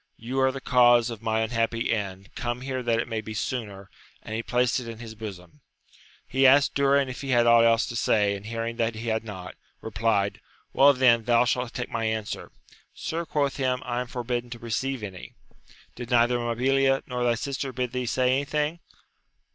You are the cause of my unhappy end ; come here that it may be sooner ! and he placed it in his bosom. He asked Durin if he had aught else to say ; and hearing that he had not, replied, Well then, thou shalt take my answer. Sir, quoth he, I am forbidden to receive any. — Did neither Mabilia nor thy sister bid thee say anything